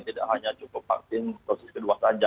tidak hanya cukup vaksin dosis kedua saja